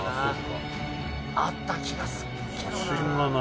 「あった気がするけどな」